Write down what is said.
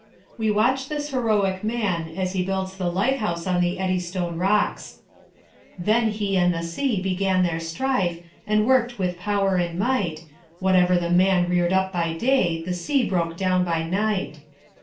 We watch this heroic man as he builds the lighthouse on the Eddystone rocks: "Then he and the sea began their strife, And worked with power and might: Whatever the man reared up by day The sea broke down by night.